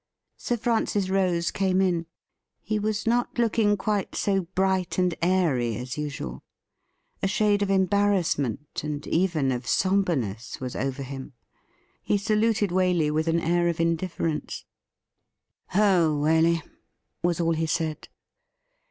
Sir Francis Rose came in. He was not looking quite so bright and airy as usual. A shade of embarrassment, and even of sombreness, was over him. He saluted Waley with an air of indifference. 'WHY SUMMON HIM?' 243 ' Ho, Waley !' was all he said.